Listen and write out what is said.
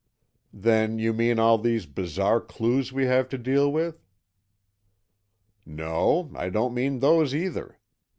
"Then you mean all these bizarre clues we have to deal with." "No, I don't mean those, either.